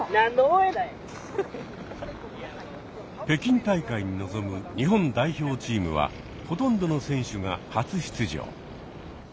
北京大会に臨む日本代表チームはほとんどの選手が初出場。